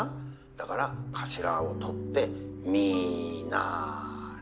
「だから頭を取ってミナレ。